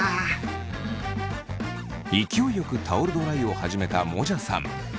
勢いよくタオルドライを始めたもじゃさん。